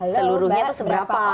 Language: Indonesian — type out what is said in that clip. seluruhnya itu seberapa orang